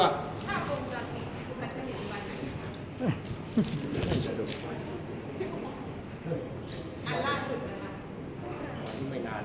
ฮอร์โมนถูกต้องไหม